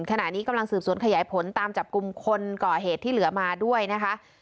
ขณะนี้กำลังสืบสวนขยายผลตามจับกลุ่มคนก่อเหตุที่เหลือมาด้วยนะคะ